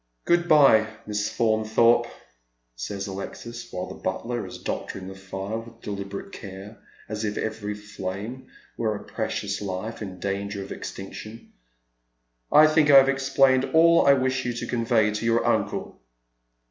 " Good bye, Miss Faunthorpe," says Alexis, while the butler is doctoring the fire with deliberate care, as if every flame were a precious life in danger of extinction. " I think I have explained all I wish yon to convey to your uncle."